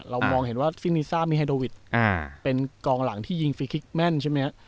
อ่าเรามองเห็นว่าซินิซ่ามิไฮโดวิสอ่าเป็นกองหลังที่ยิงฟรีคลิกแม่นใช่ไหมอ่า